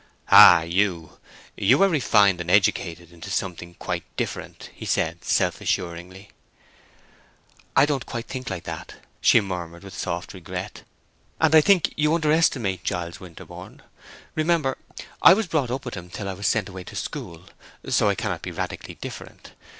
"Ah YOU—you are refined and educated into something quite different," he said, self assuringly. "I don't quite like to think that," she murmured with soft regret. "And I think you underestimate Giles Winterborne. Remember, I was brought up with him till I was sent away to school, so I cannot be radically different.